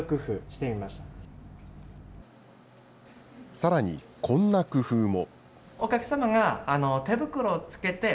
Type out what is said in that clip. さらにこんな工夫も。